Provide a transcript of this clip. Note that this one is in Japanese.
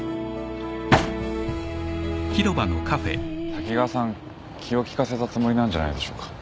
・・滝川さん気を利かせたつもりなんじゃないでしょうか？